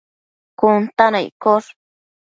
cun ta na iccosh